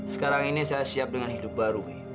sekarang ini saya siap dengan hidup baru